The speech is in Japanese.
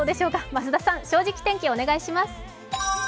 増田さん、「正直天気」をお願いします。